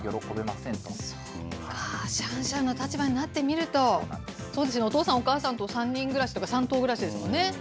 そうか、シャンシャンの立場になってみると、お父さんとお母さんと３人暮らしとか、３頭暮らしですもんね。